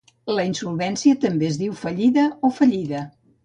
La insolvència també es diu fallida o fallida.